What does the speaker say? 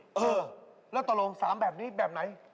เออแล้วตกลง๓แบบนี้แบบไหน